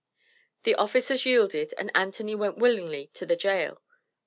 The officers yielded, and Anthony went willingly to the jail.